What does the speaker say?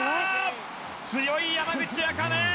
強い山口茜。